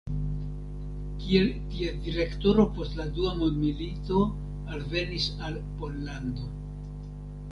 Kiel ties direktoro post la dua mondmilito alvenis al Pollando.